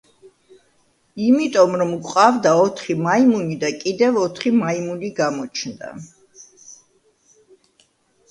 იმიტომ, რომ გვყავდა ოთხი მაიმუნი და კიდევ ოთხი მაიმუნი გამოჩნდა.